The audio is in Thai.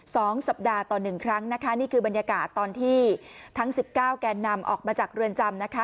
สองสัปดาห์ต่อหนึ่งครั้งนะคะนี่คือบรรยากาศตอนที่ทั้งสิบเก้าแกนนำออกมาจากเรือนจำนะคะ